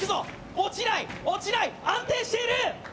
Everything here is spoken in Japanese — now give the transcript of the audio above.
落ちない、落ちない、安定している。